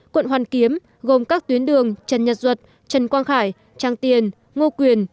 quận hoàn kiếm gồm các tuyến đường trần nhật duật trần quang khải trang tiền ngô quyền